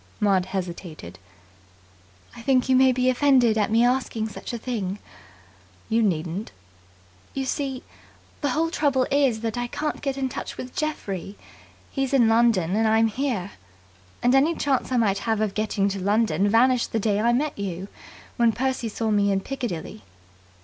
Maud hesitated. "I think you may be offended at my asking such a thing." "You needn't." "You see, the whole trouble is that I can't get in touch with Geoffrey. He's in London, and I'm here. And any chance I might have of getting to London vanished that day I met you, when Percy saw me in Piccadilly."